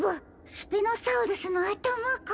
スピノサウルスのあたまか。